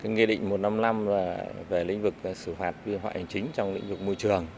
nghị định một trăm năm mươi năm về lĩnh vực xử phạt hành chính trong lĩnh vực môi trường